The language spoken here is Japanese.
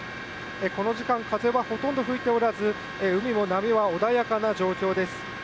この時間、風はほとんど吹いておらず、海も波は穏やかな状況です。